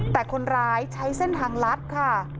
แต่คนร้ายใช้เส้นทางลัดค่ะ